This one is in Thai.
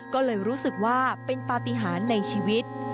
ก็เลยรู้สึกว่าเป็นปฏิหารในชีวิต